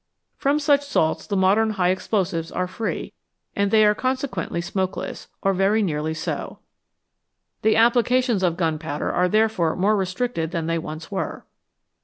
From siu li salts the modern high explosives are free, and they are consequently smokeless, or very nearly so. The applications of gunpowder are therefore more restricted than they once were.